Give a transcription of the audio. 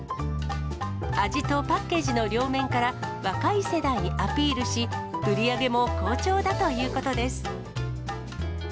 味とパッケージの両面から、若い世代にアピールし、売り上げも好調だということです。